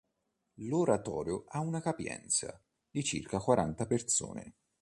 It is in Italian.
L'oratorio ha una capienza di circa quaranta persone.